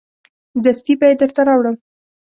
دستي به یې درته راوړم.